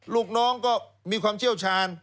ลูกน้องก็มีความเชี่ยวชาญ